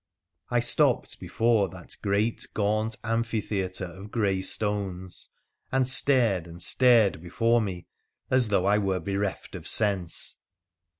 I stopped before that great gaunt amphitheatre of grey stones and stared and stared before me as though I were bereft of sense.